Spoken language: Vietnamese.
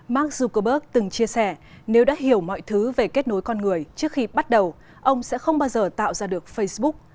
mark zuckerberg từng chia sẻ nếu đã hiểu mọi thứ về kết nối con người trước khi bắt đầu ông sẽ không bao giờ tạo ra được facebook